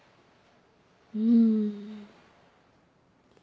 うん。